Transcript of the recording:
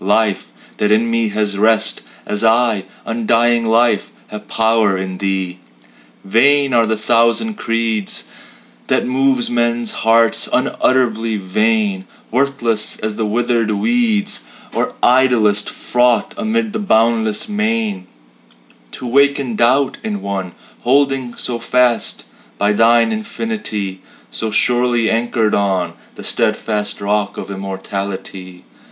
Life that in me has rest, As I undying Life have power in Thee! Vain are the thousand creeds That move men's hearts unutterably vain; Worthless as withered weeds, Or idlest froth amid the boundless main, To waken doubt in one Holding so fast by Thine infinity; So surely anchored on The steadfast rock of immortality.